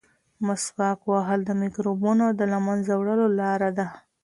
مسواک وهل د مکروبونو د له منځه وړلو لاره ده.